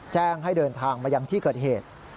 แจ้งให้เดินทางมายังที่เกิดเหตุ